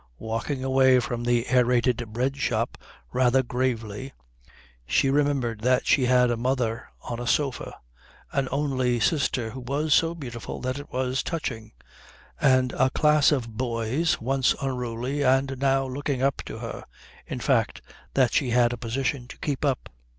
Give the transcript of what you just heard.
Walking away from the Aerated Bread Shop rather gravely, she remembered that she had a mother on a sofa; an only sister who was so beautiful that it was touching; and a class of boys, once unruly and now looking up to her in fact, that she had a position to keep up.